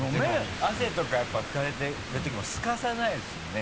汗とかやっぱ拭かれてるときもすかさないですもんね。